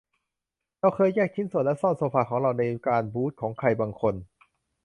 เราเคยแยกชิ้นส่วนและซ่อนโซฟาของเราในการบูทของใครบางคน